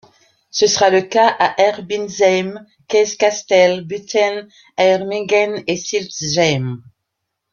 Ce sera le cas à Herbitzheim, Keskastel, Butten, Oermingen et Siltzheim.